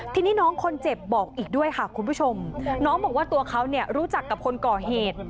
ทีนี้น้องคนเจ็บบอกอีกด้วยค่ะคุณผู้ชมน้องบอกว่าตัวเขาเนี่ยรู้จักกับคนก่อเหตุ